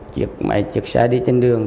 chụp xe đi trên đường